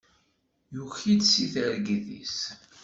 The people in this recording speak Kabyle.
Yuki-d seg targit-is.